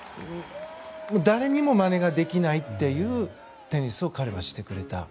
誰にもまねができないっていうテニスを彼はしてくれた。